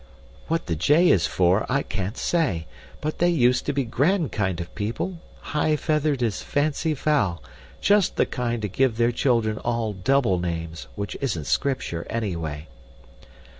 What the J is for I can't say, but they used to be grand kind o' people, high feathered as fancy fowl. Just the kind to give their children all double names, which isn't Scripture, anyway."